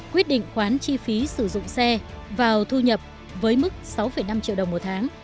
quyết định khoán chi phí sử dụng xe vào thu nhập với mức sáu năm triệu đồng một tháng